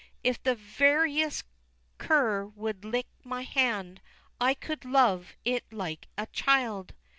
If the veriest cur would lick my hand, I could love it like a child!